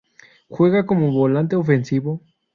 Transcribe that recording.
Juega como volante ofensivo.